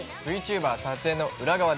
「ＶＴｕｂｅｒ撮影の裏側！」。